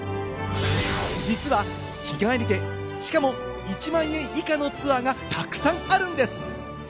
実は日帰りで、しかも１万円以下のツアーがたくさんあるんです。